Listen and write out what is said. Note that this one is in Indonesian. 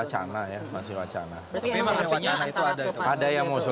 tapi dari internal gerindra sendiri belum ada